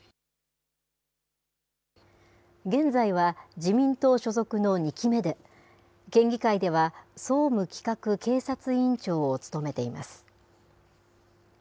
現在は、自民党所属の２期目で、県議会では総務企画警察委員長を務めています。